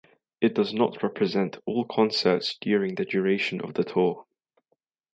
It does not represent all concerts during the duration of the tour.